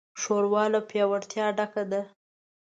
ښوروا له پیاوړتیا ډکه ده.